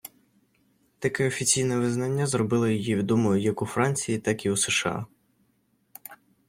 Таке офіційне визнання зробило її відомою як у Франції, так і у США.